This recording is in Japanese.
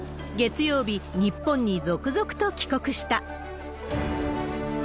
月曜日、日本に続々と帰国した。